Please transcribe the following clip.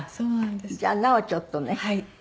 じゃあなおちょっとね。